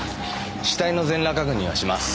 死体の全裸確認はします。